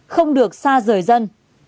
không được xa rời dân